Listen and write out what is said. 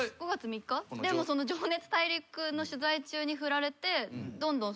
でもその『情熱大陸』の取材中に振られてどんどん。